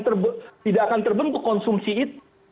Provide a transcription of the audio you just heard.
tidak akan terbentuk konsumsi itu